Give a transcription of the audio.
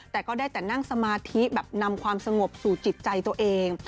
แต่ก็ได้แต่นั่งสมาธิแบบนำความสงบสู่จิตใจตัวเอง